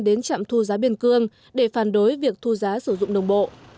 đến trạm thu giá biên cương để phản đối việc thu giá sử dụng đồng bộ